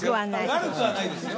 「悪くはない」ですよ